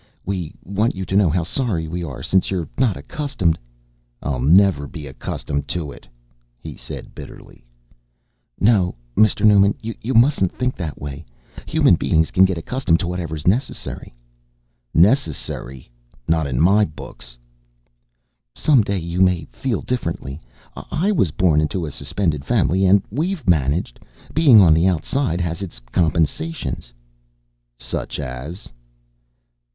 "We want you to know how sorry we are since you're not accustomed " "I'll never be accustomed to it," he said bitterly. "No, Mr. Newman, you mustn't think that way. Human beings can get accustomed to whatever's necessary." "Necessary? Not in my books!" "Some day you may feel differently. I was born into a Suspended family and we've managed. Being on the outside has its compensations." "Such as?"